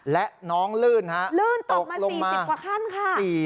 และน้องลื่นตกลงมา๔๐ขั้นค่ะ